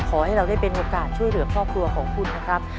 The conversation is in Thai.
ขอให้เราได้เป็นโอกาสช่วยเหลือครอบครัวของคุณนะครับ